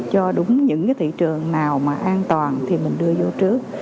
cho đúng những cái thị trường nào mà an toàn thì mình đưa vô trước